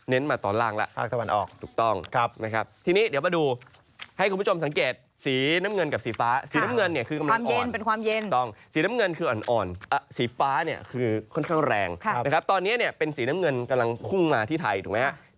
เป็นความเย็นต้องสีน้ำเงินคืออ่อนสีฟ้าคือค่อนข้างแรงนะครับตอนนี้เป็นสีน้ำเงินกำลังคุ้งมาที่ไทยถูกไหมครับ